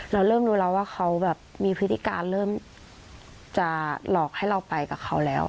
เราเริ่มรู้แล้วว่าเขาแบบมีพฤติการเริ่มจะหลอกให้เราไปกับเขาแล้ว